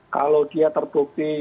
kalau dia terbukti